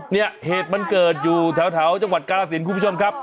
เนี่ยเหตุมันเกิดอยู่แถวจังหวัดกาลสินคุณผู้ชมครับ